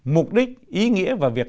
mục đích ý nghĩa và việc